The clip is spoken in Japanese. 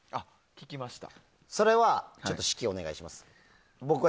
それは指揮をお願いします。